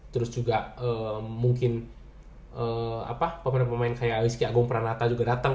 terus juga mungkin pemain pemain kayak rizky agung pranata juga datang